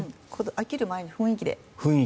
飽きる前に雰囲気で。